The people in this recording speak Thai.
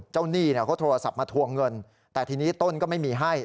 หนี้เขาโทรศัพท์มาทวงเงินแต่ทีนี้ต้นก็ไม่มีให้